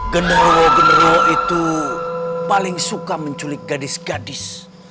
generwo generwo itu paling suka menculik gadis gadis